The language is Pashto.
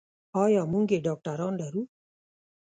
ایا موږ یې ډاکتران لرو.